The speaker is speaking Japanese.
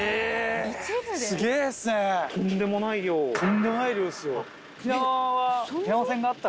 とんでもない量を。